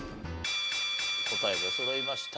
答え出そろいました。